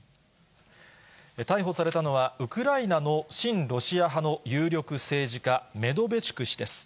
逮捕されたのは、ウクライナの親ロシア派の有力政治家、メドベチュク氏です。